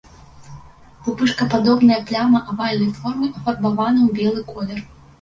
Пупышкападобная пляма авальнай формы афарбавана ў белы колер.